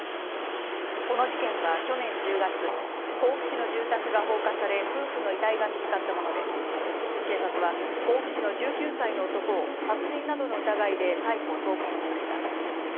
この事件は去年１０月、甲府市の住宅が放火され夫婦の遺体が見つかったもので警察は甲府市の１９歳の男を殺人などの疑いで逮捕・送検しました。